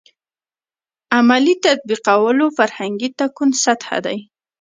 عملي تطبیقولو فرهنګي تکون سطح دی.